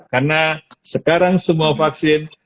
karena sekarang semua vaksin